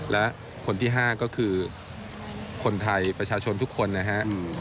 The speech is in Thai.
และคนที่๕ก็คือคนไทยประชาชนทุกคนนะฮะ